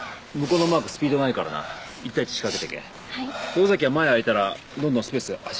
尾崎は前空いたらどんどんスペース走り込め。